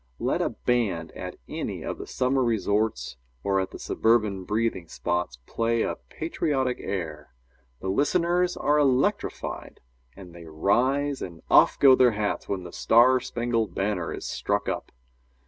Let a band at any of the summer resorts or at the suburban breathing spots play a patriotic air. The listeners are electrified, and they rise and off go their hats when "The Star Spangled Banner" is struck up.